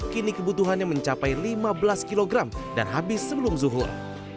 kini kebutuhannya mencapai lima belas kg dan habis sebelum zuhur